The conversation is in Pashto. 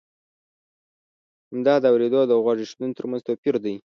همدا د اورېدو او د غوږ اېښودنې ترمنځ توپی ر دی.